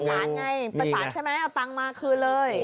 ฝั่งไงฝั่งใช่มั้ยเอาตังค์มาคืนเลย